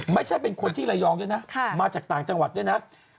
ไม่ใช่เป็นคนที่ระยองด้วยนะมาจากต่างจังหวัดด้วยนะ